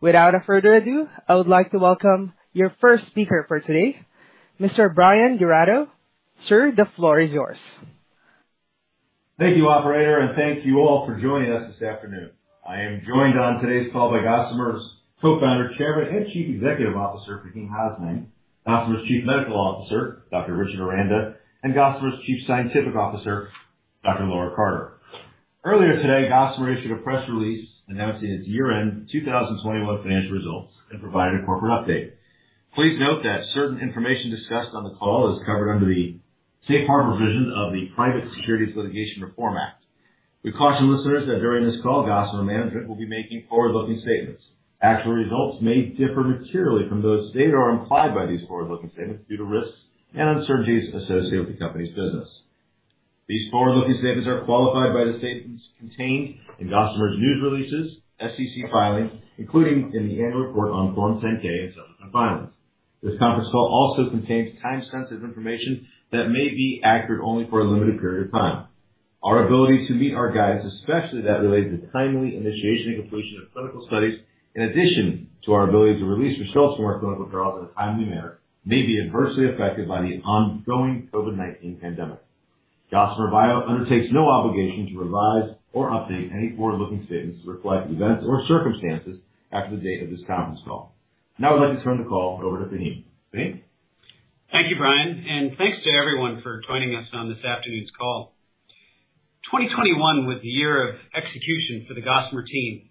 Without further ado, I would like to welcome your first speaker for today, Mr. Bryan Giraudo. Sir, the floor is yours. Thank you, operator, and thank you all for joining us this afternoon. I am joined on today's call by Gossamer's Co-Founder, Chairman, and Chief Executive Officer, Faheem Hasnain; Gossamer's Chief Medical Officer, Dr. Richard Aranda; and Gossamer's Chief Scientific Officer, Dr. Laura Carter. Earlier today, Gossamer issued a press release announcing its year-end 2021 financial results and provided a corporate update. Please note that certain information discussed on the call is covered under the safe harbor provisions of the Private Securities Litigation Reform Act. We caution listeners that during this call, Gossamer management will be making forward-looking statements. Actual results may differ materially from those stated or implied by these forward-looking statements due to risks and uncertainties associated with the company's business. These forward-looking statements are qualified by the statements contained in Gossamer's news releases, SEC filings, including in the annual report on Form 10-K and subsequent filings. This conference call also contains time-sensitive information that may be accurate only for a limited period of time. Our ability to meet our guidance, especially that related to timely initiation and completion of clinical studies, in addition to our ability to release results from our clinical trials in a timely manner, may be adversely affected by the ongoing COVID-19 pandemic. Gossamer Bio undertakes no obligation to revise or update any forward-looking statements to reflect events or circumstances after the date of this conference call. Now I'd like to turn the call over to Faheem. Faheem? Thank you, Bryan, and thanks to everyone for joining us on this afternoon's call. 2021 was a year of execution for the Gossamer team,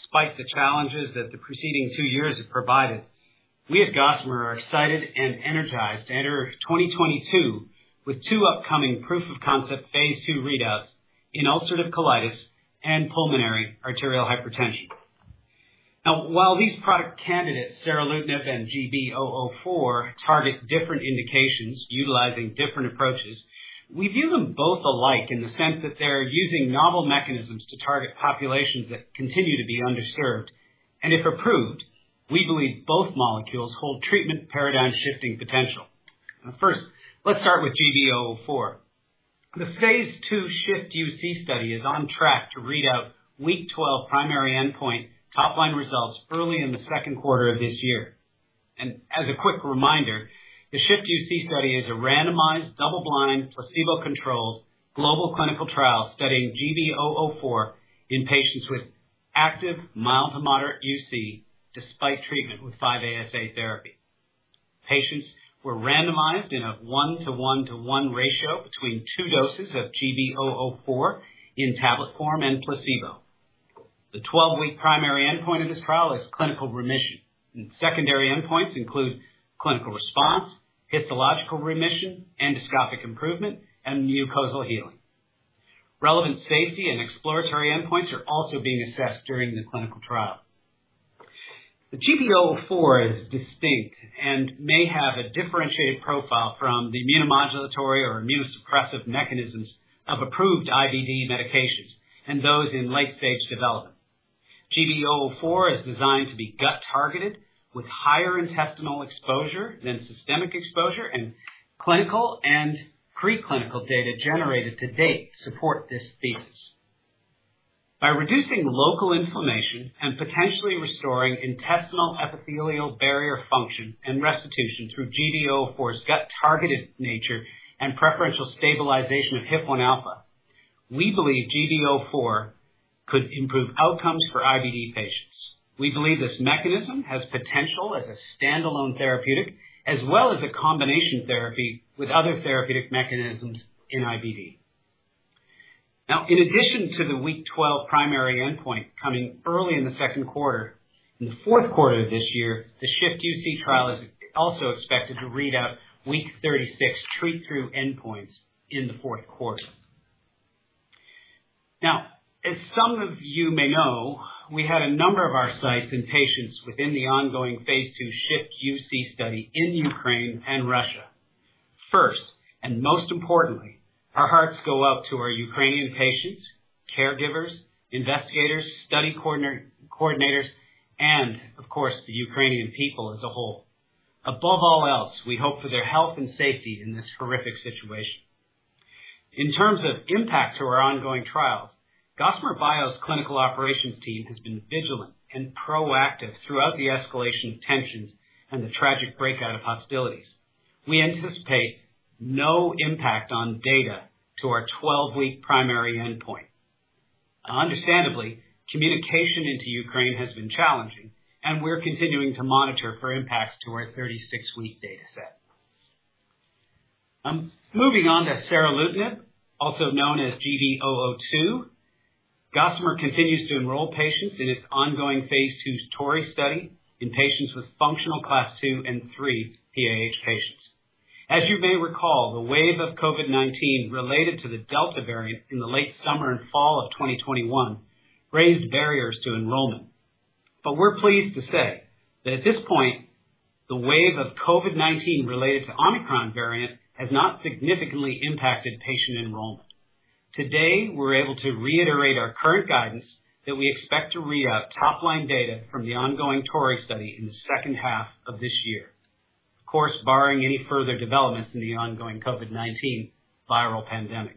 despite the challenges that the preceding two years have provided. We at Gossamer are excited and energized to enter 2022 with two upcoming proof of concept phase II readouts in ulcerative colitis and pulmonary arterial hypertension. Now, while these product candidates, seralutinib and GB004, target different indications utilizing different approaches, we view them both alike in the sense that they're using novel mechanisms to target populations that continue to be underserved. If approved, we believe both molecules hold treatment paradigm shifting potential. Now, first, let's start with GB004. The phase II SHIFT-UC study is on track to read out week 12 primary endpoint top-line results early in the second quarter of this year. As a quick reminder, the SHIFT-UC study is a randomized, double-blind, placebo-controlled global clinical trial studying GB004 in patients with active mild to moderate UC despite treatment with 5-ASA therapy. Patients were randomized in a one-to-one-to-one ratio between two doses of GB004 in tablet form and placebo. The 12-week primary endpoint of this trial is clinical remission, and secondary endpoints include clinical response, histological remission, endoscopic improvement, and mucosal healing. Relevant safety and exploratory endpoints are also being assessed during the clinical trial. The GB004 is distinct and may have a differentiated profile from the immunomodulatory or immunosuppressive mechanisms of approved IBD medications and those in late-stage development. GB004 is designed to be gut-targeted with higher intestinal exposure than systemic exposure, and clinical and pre-clinical data generated to date support this thesis. By reducing local inflammation and potentially restoring intestinal epithelial barrier function and restitution through GB004's gut-targeted nature and preferential stabilization of HIF-1 alpha, we believe GB004 could improve outcomes for IBD patients. We believe this mechanism has potential as a standalone therapeutic as well as a combination therapy with other therapeutic mechanisms in IBD. Now, in addition to the week 12 primary endpoint coming early in the second quarter, in the fourth quarter of this year, the SHIFT-UC trial is also expected to read out week 36 treat-through endpoints in the fourth quarter. Now, as some of you may know, we had a number of our sites and patients within the ongoing phase II SHIFT-UC study in Ukraine and Russia. First, and most importantly, our hearts go out to our Ukrainian patients, caregivers, investigators, study coordinators, and of course, the Ukrainian people as a whole. Above all else, we hope for their health and safety in this horrific situation. In terms of impact to our ongoing trials, Gossamer Bio's clinical operations team has been vigilant and proactive throughout the escalation of tensions and the tragic breakout of hostilities. We anticipate no impact on data to our 12-week primary endpoint. Understandably, communication into Ukraine has been challenging and we're continuing to monitor for impacts to our 36-week data set. Moving on to seralutinib, also known as GB002. Gossamer continues to enroll patients in its ongoing phase II TORREY study in patients with functional class II and III PAH patients. As you may recall, the wave of COVID-19 related to the Delta variant in the late summer and fall of 2021 raised barriers to enrollment. We're pleased to say that at this point, the wave of COVID-19 related to Omicron variant has not significantly impacted patient enrollment. Today, we're able to reiterate our current guidance that we expect to read out top-line data from the ongoing TORREY study in the second half of this year. Of course, barring any further developments in the ongoing COVID-19 viral pandemic.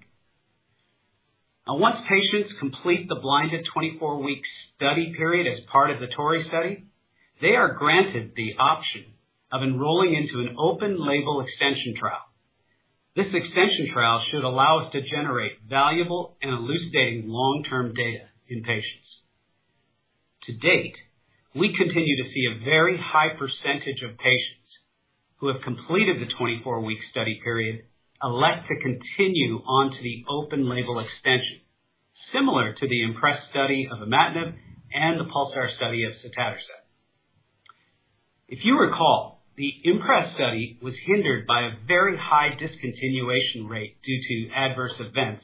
Now once patients complete the blinded 24-week study period as part of the TORREY study, they are granted the option of enrolling into an open label extension trial. This extension trial should allow us to generate valuable and elucidating long-term data in patients. To date, we continue to see a very high percentage of patients who have completed the 24-week study period elect to continue on to the open label extension, similar to the IMPRES study of imatinib and the PULSAR study of sotatercept. If you recall, the IMPRES study was hindered by a very high discontinuation rate due to adverse events,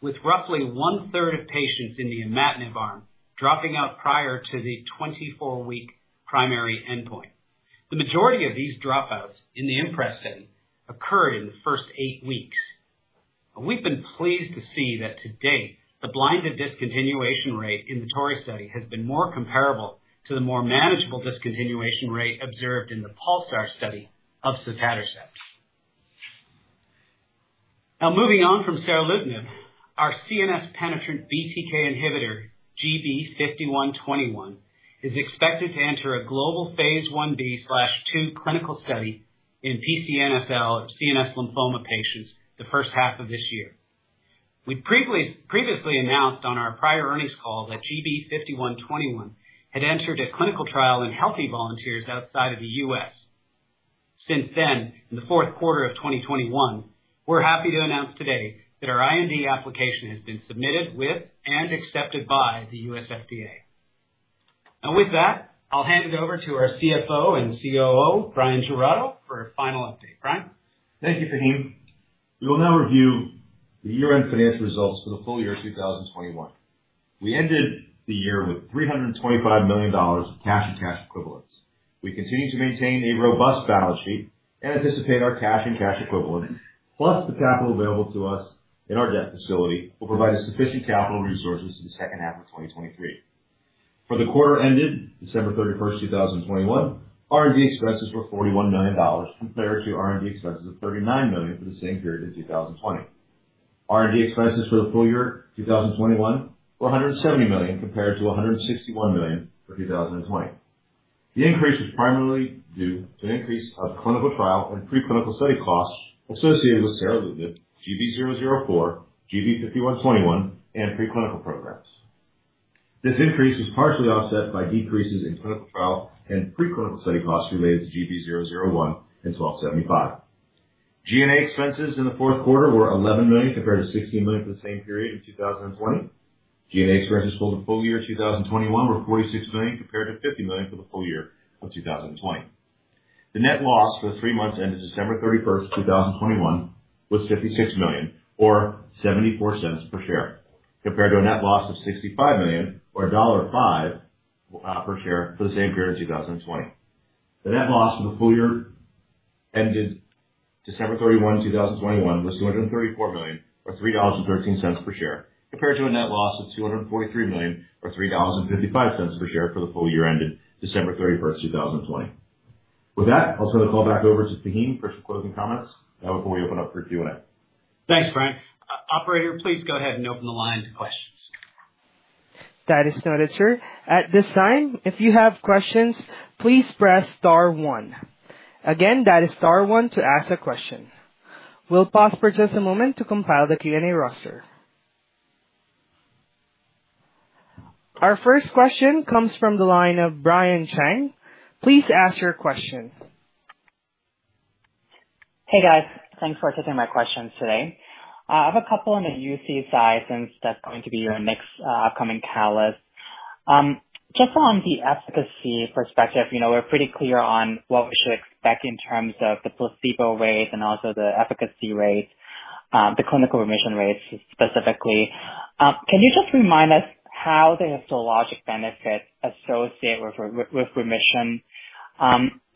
with roughly one-third of patients in the imatinib arm dropping out prior to the 24-week primary endpoint. The majority of these dropouts in the IMPRES study occurred in the first eight weeks. We've been pleased to see that to date, the blinded discontinuation rate in the TORREY study has been more comparable to the more manageable discontinuation rate observed in the PULSAR study of sotatercept. Now, moving on from seralutinib, our CNS penetrant BTK inhibitor, GB5121, is expected to enter a global phase I-B/II clinical study in PCNSL CNS lymphoma patients the first half of this year. We previously announced on our prior earnings call that GB5121 had entered a clinical trial in healthy volunteers outside of the U.S. Since then, in the fourth quarter of 2021, we're happy to announce today that our IND application has been submitted to and accepted by the U.S. FDA. With that, I'll hand it over to our CFO and COO, Bryan Giraudo, for a final update. Bryan? Thank you, Faheem. We will now review the year-end financial results for the full year 2021. We ended the year with $325 million of cash and cash equivalents. We continue to maintain a robust balance sheet and anticipate our cash and cash equivalents, plus the capital available to us in our debt facility, will provide us sufficient capital resources through the second half of 2023. For the quarter ended December 31st, 2021, R&D expenses were $41 million compared to R&D expenses of $39 million for the same period in 2020. R&D expenses for the full year 2021 were $170 million compared to $161 million for 2020. The increase was primarily due to an increase of clinical trial and preclinical study costs associated with seralutinib, GB004, GB5121 and preclinical programs. This increase was partially offset by decreases in clinical trial and preclinical study costs related to GB001 and GB1275. G&A expenses in the fourth quarter were $11 million, compared to $16 million for the same period in 2020. G&A expenses for the full year 2021 were $46 million, compared to $50 million for the full year of 2020. The net loss for the three months ending December 31st, 2021 was $56 million or $0.74 per share, compared to a net loss of $65 million or $1.05 per share for the same period in 2020. The net loss for the full year ended December 31, 2021 was $234 million or $3.13 per share, compared to a net loss of $243 million or $3.55 per share for the full year ended December 31st, 2020. With that, I'll turn the call back over to Faheem for some closing comments, before we open up for Q&A. Thanks, Bryan. Operator, please go ahead and open the line to questions. That is noted, sir. At this time, if you have questions, please press star one. Again, that is star one to ask a question. We'll pause for just a moment to compile the Q&A roster. Our first question comes from the line of Brian Cheng. Please ask your question. Hey, guys. Thanks for taking my questions today. I have a couple on the UC side since that's going to be your next upcoming catalyst. Just on the efficacy perspective, you know, we're pretty clear on what we should expect in terms of the placebo rate and also the efficacy rate, the clinical remission rates specifically. Can you just remind us how the histologic benefits associated with remission?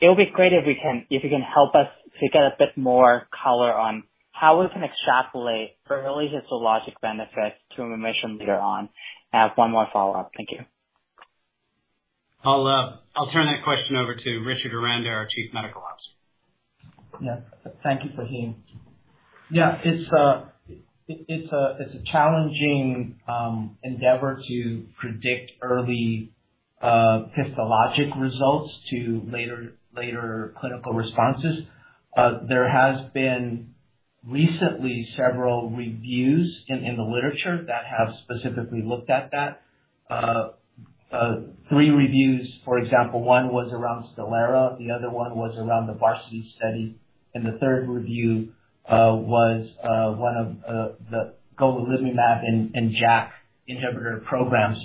It'll be great if you can help us to get a bit more color on how we can extrapolate early histologic benefit to remission later on. I have one more follow-up. Thank you. I'll turn that question over to Richard Aranda, our Chief Medical Officer. Yeah. Thank you, Faheem. Yeah, it's a challenging endeavor to predict early histologic results to later clinical responses. There has been recently several reviews in the literature that have specifically looked at that. Three reviews, for example, one was around STELARA, the other one was around the Varsity study, and the third review was one of the golimumab and JAK inhibitor programs.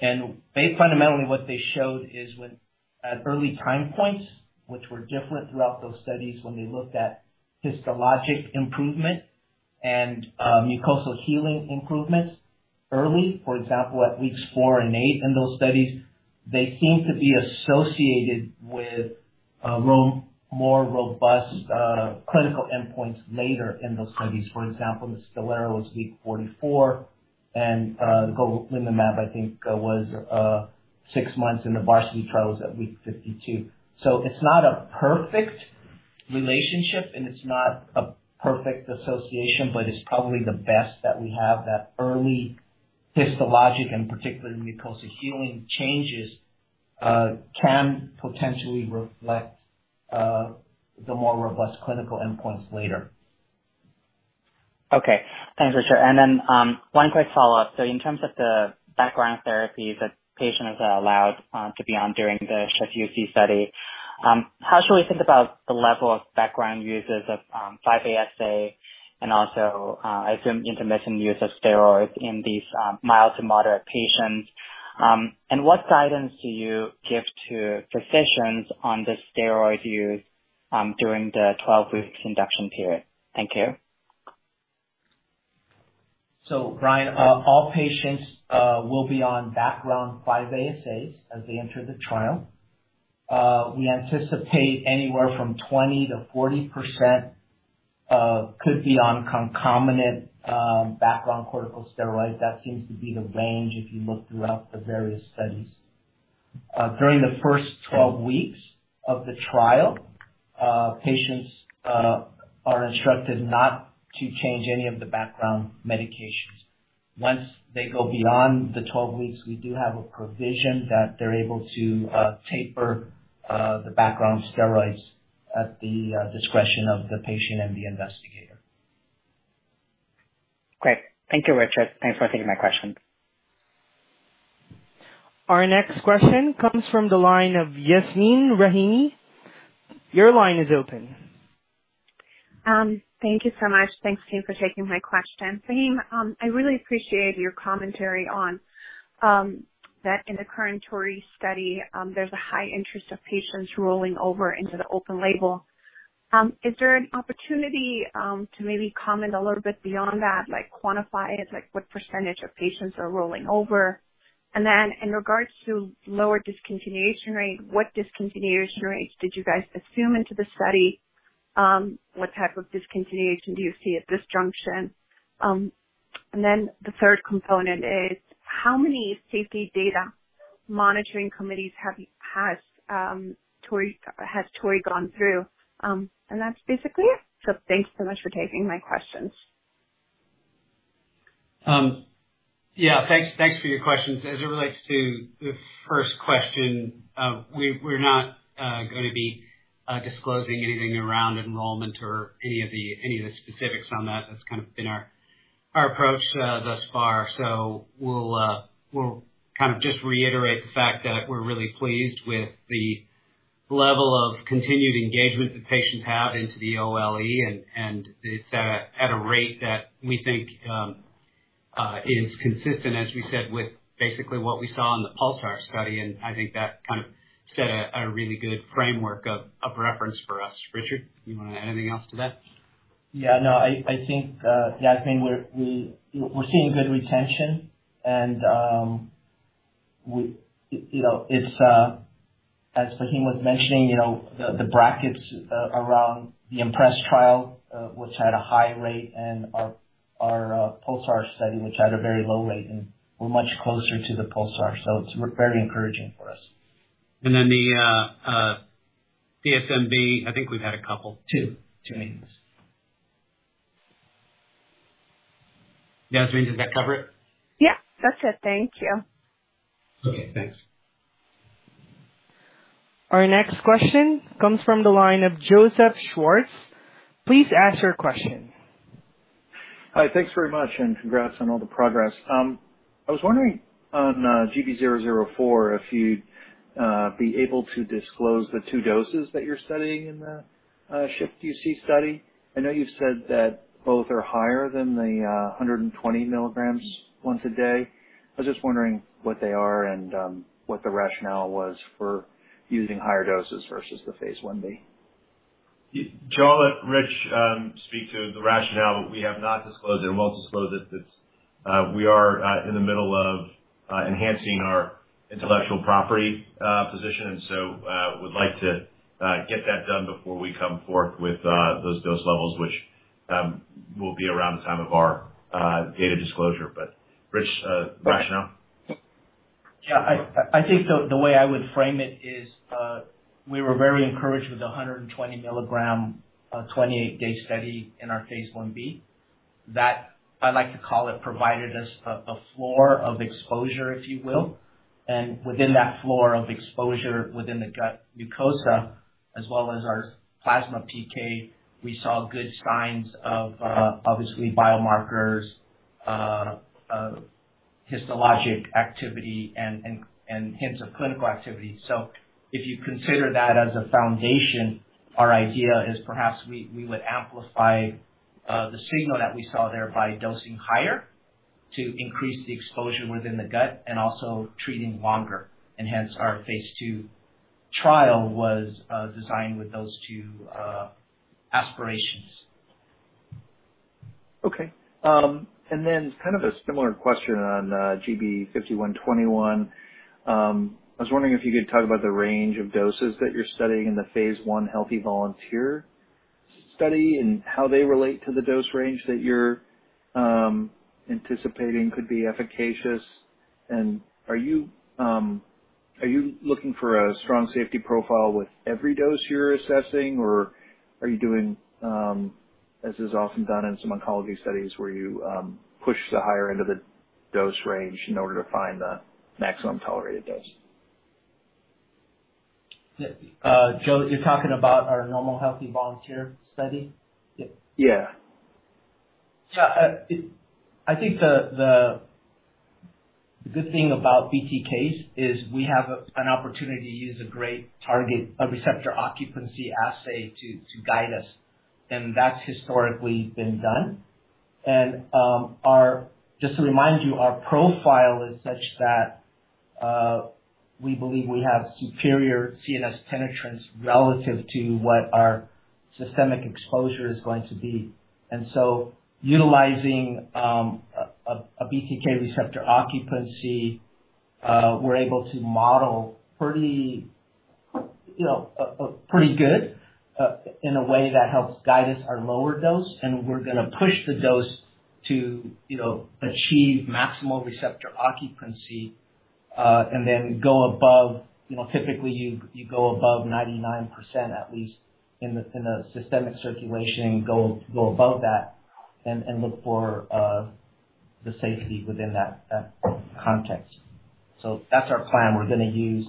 Fundamentally what they showed is when at early time points, which were different throughout those studies when they looked at histologic improvement and mucosal healing improvements early, for example, at weeks four and eight in those studies, they seem to be associated with more robust clinical endpoints later in those studies. For example, in the STELARA it was week 44 and the golimumab, I think, was six months in the Varsity trial was at week 52. It's not a perfect relationship, and it's not a perfect association, but it's probably the best that we have, that early histologic, and particularly mucosal healing changes, can potentially reflect the more robust clinical endpoints later. Okay. Thanks, Richard. Then, one quick follow-up. In terms of the background therapies that patients are allowed to be on during the SHIFT-UC study, how should we think about the level of background uses of 5-ASA and also, I assume intermittent use of steroids in these mild to moderate patients? What guidance do you give to physicians on the steroid use during the 12-week induction period? Thank you. Brian, all patients will be on background 5-ASAs as they enter the trial. We anticipate anywhere from 20%-40% could be on concomitant background corticosteroids. That seems to be the range if you look throughout the various studies. During the first 12 weeks of the trial, patients are instructed not to change any of the background medications. Once they go beyond the 12 weeks, we do have a provision that they're able to taper the background steroids at the discretion of the patient and the investigator. Great. Thank you, Richard. Thanks for taking my question. Our next question comes from the line of Yasmeen Rahimi. Your line is open. Thank you so much. Thanks, team, for taking my question. Faheem, I really appreciate your commentary on that in the current TORREY study, there's a high interest of patients rolling over into the open label. Is there an opportunity to maybe comment a little bit beyond that, like quantify it, like what percentage of patients are rolling over? And then in regards to lower discontinuation rate, what discontinuation rates did you guys assume into the study? What type of discontinuation do you see at this junction? And then the third component is how many safety data monitoring committees has TORREY gone through? And that's basically it. Thanks so much for taking my questions. Yeah, thanks for your questions. As it relates to the first question, we're not gonna be disclosing anything around enrollment or any of the specifics on that. That's kind of been our approach thus far. So we'll kind of just reiterate the fact that we're really pleased with the level of continued engagement that patients have into the OLE and it's at a rate that we think is consistent, as we said, with basically what we saw in the PULSAR study. I think that kind of set a really good framework of reference for us. Richard, you wanna add anything else to that? Yeah, no, I think we're seeing good retention and you know, it's as Faheem was mentioning, you know, the brackets around the IMPRES trial, which had a high rate, and our PULSAR study, which had a very low rate. We're much closer to the PULSAR, so it's very encouraging for us. The DSMB, I think we've had a couple. Two. Two meetings. Yasmeen, does that cover it? Yeah. That's it. Thank you. Okay, thanks. Our next question comes from the line of Joseph Schwartz. Please ask your question. Hi. Thanks very much, and congrats on all the progress. I was wondering on GB004, if you'd be able to disclose the two doses that you're studying in the SHIFT-UC study. I know you said that both are higher than the 120 mg once a day. I was just wondering what they are and what the rationale was for using higher doses versus the phase I-B. Joe, let Rich speak to the rationale. We have not disclosed it and won't disclose it. This, we are in the middle of enhancing our intellectual property position, and so would like to get that done before we come forth with those dose levels, which will be around the time of our data disclosure. Rich, rationale. Yeah. I think the way I would frame it is, we were very encouraged with the 120 mg 28-day study in our phase I-B. That, I like to call it, provided us a floor of exposure, if you will. Within that floor of exposure, within the gut mucosa, as well as our plasma PK, we saw good signs of obviously biomarkers histologic activity and hints of clinical activity. If you consider that as a foundation, our idea is perhaps we would amplify the signal that we saw there by dosing higher to increase the exposure within the gut and also treating longer. Hence our phase II trial was designed with those two aspirations. Okay. Kind of a similar question on GB5121. I was wondering if you could talk about the range of doses that you're studying in the phase I healthy volunteer study and how they relate to the dose range that you're anticipating could be efficacious. Are you looking for a strong safety profile with every dose you're assessing? Are you doing as is often done in some oncology studies where you push the higher end of the dose range in order to find the maximum tolerated dose? Yeah. Joe, you're talking about our normal healthy volunteer study? Yeah. I think the good thing about BTKs is we have an opportunity to use a great target, a receptor occupancy assay to guide us. That's historically been done. Just to remind you, our profile is such that we believe we have superior CNS penetrance relative to what our systemic exposure is going to be. Utilizing a BTK receptor occupancy, we're able to model pretty you know good in a way that helps guide us our lower dose. We're gonna push the dose to you know achieve maximal receptor occupancy and then go above. You know, typically you go above 99%, at least in the systemic circulation, go above that and look for the safety within that context. That's our plan. We're gonna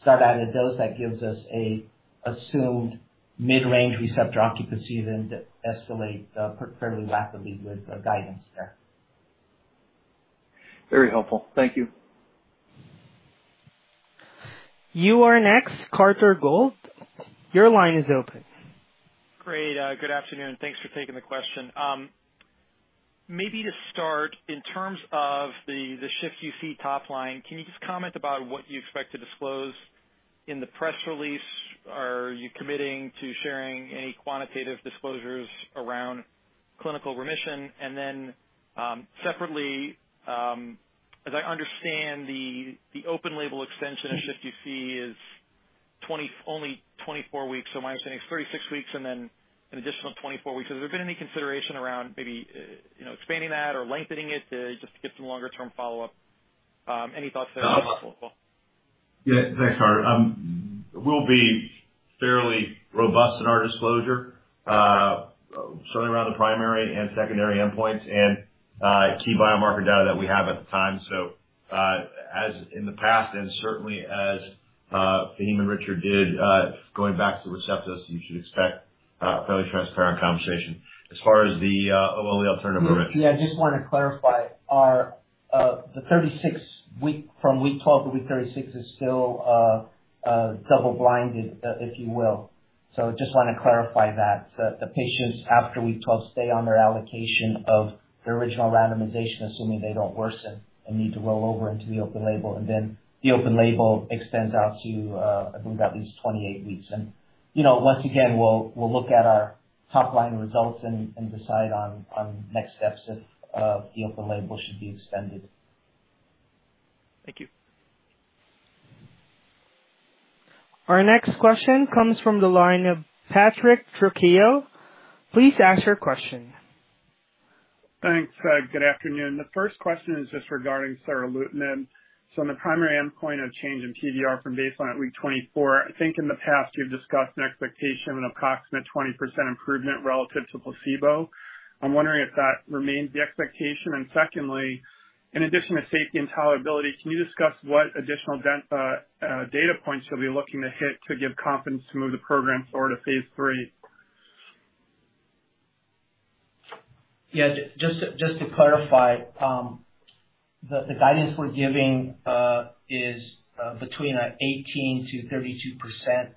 start at a dose that gives us a assumed mid-range receptor occupancy, then escalate fairly rapidly with guidance there. Very helpful. Thank you. You are next, Carter Gould. Your line is open. Great. Good afternoon. Thanks for taking the question. Maybe to start, in terms of the SHIFT-UC top line, can you just comment about what you expect to disclose in the press release? Are you committing to sharing any quantitative disclosures around clinical remission? And then, separately, as I understand the open-label extension of SHIFT-UC is only 24 weeks. So my understanding is 36 weeks and then an additional 24 weeks. Has there been any consideration around maybe, you know, expanding that or lengthening it to just to get some longer term follow-up? Any thoughts there? Yeah. Thanks, Carter. We'll be fairly robust in our disclosure, certainly around the primary and secondary endpoints and key biomarker data that we have at the time. As in the past and certainly as Faheem and Richard did, going back to the Receptos, you should expect a fairly transparent conversation. As far as the OLE alternative- Yeah, I just wanna clarify. The 36-week from week 12 to week 36 is still double-blinded, if you will. Just wanna clarify that. The patients after week 12 stay on their allocation of their original randomization, assuming they don't worsen and need to roll over into the open-label. The open-label extends out to, I believe at least 28 weeks. You know, once again, we'll look at our top-line results and decide on next steps if the open-label should be extended. Thank you. Our next question comes from the line of Patrick Trucchio. Please ask your question. Thanks. Good afternoon. The first question is just regarding seralutinib. In the primary endpoint of change in PVR from baseline at week 24, I think in the past you've discussed an expectation of an approximate 20% improvement relative to placebo. I'm wondering if that remains the expectation. Secondly, in addition to safety and tolerability, can you discuss what additional data points you'll be looking to hit to give confidence to move the program forward to phase III? Yeah. Just to clarify, the guidance we're giving is between 18%-32%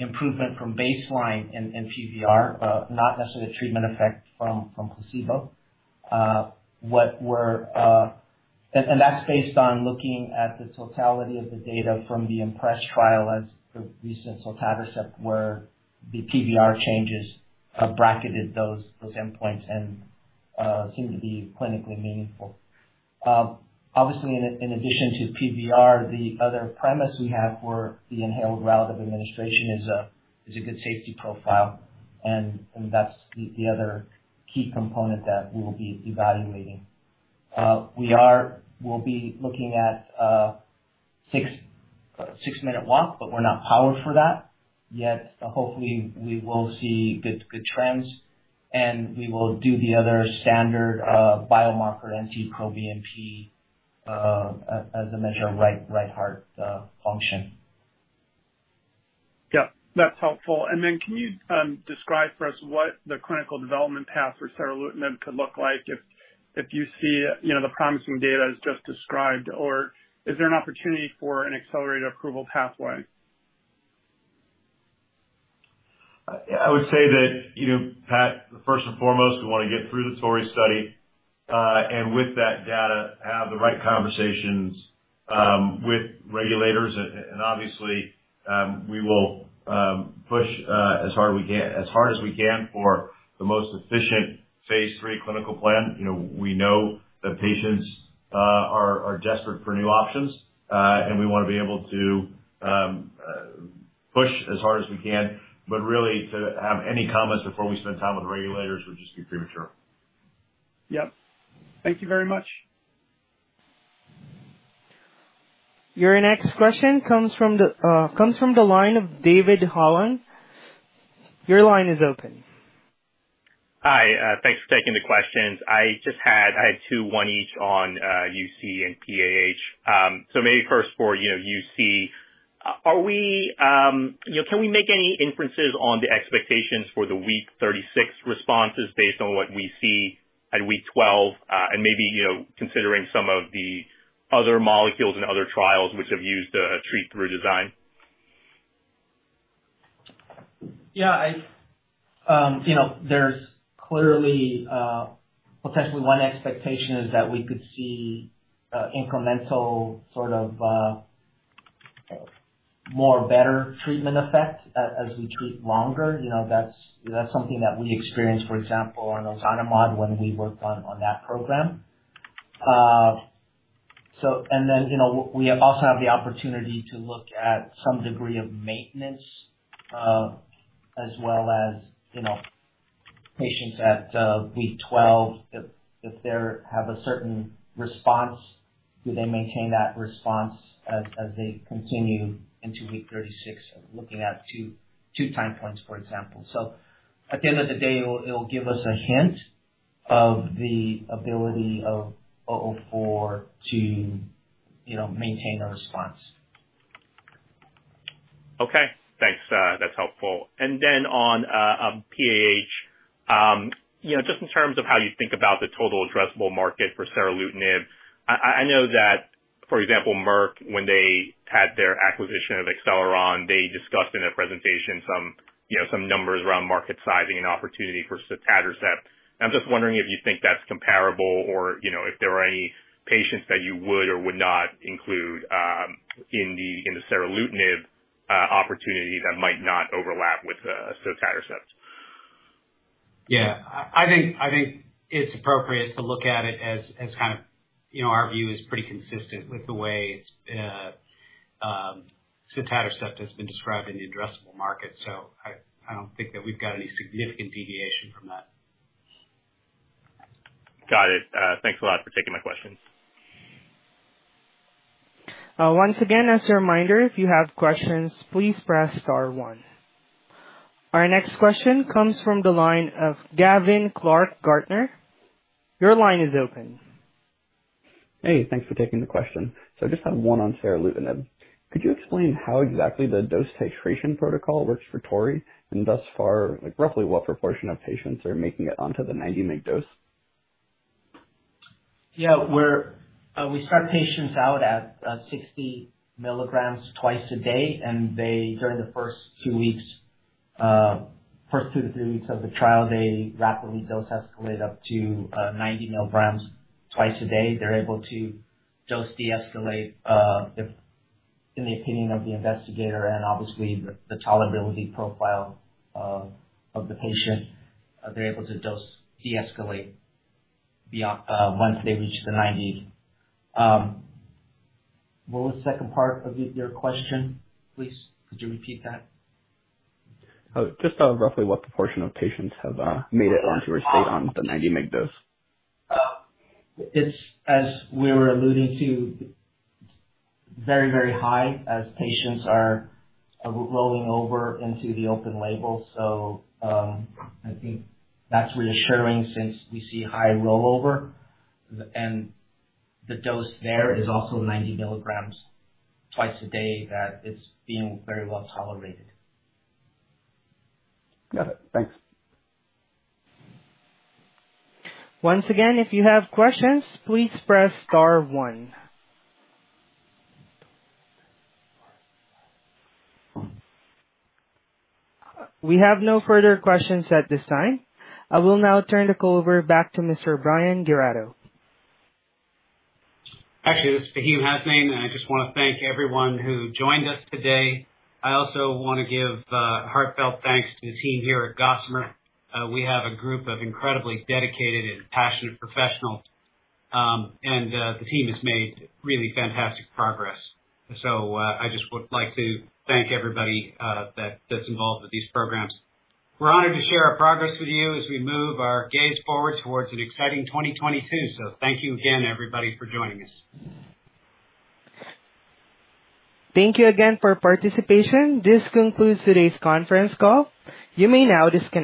improvement from baseline in PVR, not necessarily a treatment effect from placebo. That's based on looking at the totality of the data from the IMPRES trial and the recent sotatercept, where the PVR changes bracketed those endpoints and seem to be clinically meaningful. Obviously in addition to PVR, the other premise we have for the inhaled route of administration is a good safety profile, and that's the other key component that we will be evaluating. We'll be looking at a six-minute walk, but we're not powered for that yet. Hopefully, we will see good trends, and we will do the other standard biomarker NT-proBNP as a measure of right heart function. Yeah, that's helpful. Can you describe for us what the clinical development path for seralutinib could look like if you see, you know, the promising data as just described? Or is there an opportunity for an accelerated approval pathway? I would say that, you know, Pat, first and foremost, we wanna get through the TORREY study, and with that data, have the right conversations with regulators. Obviously, we will push as hard we can, as hard as we can for the most efficient phase III clinical plan. You know, we know that patients are desperate for new options, and we wanna be able to push as hard as we can. Really, to have any comments before we spend time with the regulators would just be premature. Yep. Thank you very much. Your next question comes from the line of David Hoang. Your line is open. Hi. Thanks for taking the questions. I had two, one each on UC and PAH. Maybe first for you know UC. You know, can we make any inferences on the expectations for the week 36 responses based on what we see at week 12, and maybe you know considering some of the other molecules and other trials which have used a treat through design? Yeah, you know, there's clearly potentially one expectation is that we could see incremental sort of more better treatment effect as we treat longer. You know, that's something that we experienced, for example, on ozanimod when we worked on that program. We also have the opportunity to look at some degree of maintenance as well as patients at week 12, if they have a certain response, do they maintain that response as they continue into week 36? Looking at 2 time points, for example. At the end of the day, it'll give us a hint of the ability of GB004 to maintain a response. Okay. Thanks. That's helpful. On PAH, you know, just in terms of how you think about the total addressable market for seralutinib. I know that, for example, Merck, when they had their acquisition of Acceleron, they discussed in their presentation some, you know, some numbers around market sizing and opportunity for sotatercept. I'm just wondering if you think that's comparable or, you know, if there are any patients that you would or would not include in the seralutinib opportunity that might not overlap with sotatercept. Yeah. I think it's appropriate to look at it as kind of, you know, our view is pretty consistent with the way sotatercept has been described in the addressable market. I don't think that we've got any significant deviation from that. Got it. Thanks a lot for taking my questions. Once again, as a reminder, if you have questions, please press star one. Our next question comes from the line of Gavin Clark-Gartner. Your line is open. Hey, thanks for taking the question. I just have one on seralutinib. Could you explain how exactly the dose titration protocol works for TORREY, and thus far, like, roughly what proportion of patients are making it onto the 90 mg dose? Yeah. We start patients out at 60 mg twice a day, and during the first two to three weeks of the trial, they rapidly dose-escalate up to 90 mg twice a day. They're able to dose de-escalate if, in the opinion of the investigator, and obviously the tolerability profile of the patient, beyond once they reach the 90. What was the second part of your question, please? Could you repeat that? Just roughly what portion of patients have made it onto or stayed on the 90 mg dose? It's, as we were alluding to, very high as patients are rolling over into the open label. I think that's reassuring since we see high rollover, and the dose there is also 90 mg twice a day, that it's being very well tolerated. Got it. Thanks. Once again, if you have questions, please press star one. We have no further questions at this time. I will now turn the call over back to Mr. Bryan Giraudo. Actually, this is Faheem Hasnain, and I just wanna thank everyone who joined us today. I also wanna give heartfelt thanks to the team here at Gossamer. We have a group of incredibly dedicated and passionate professionals. The team has made really fantastic progress. I just would like to thank everybody that's involved with these programs. We're honored to share our progress with you as we move our gaze forward towards an exciting 2022. Thank you again everybody for joining us. Thank you again for participation. This concludes today's conference call. You may now disconnect.